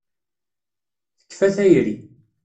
Tekfa tayri.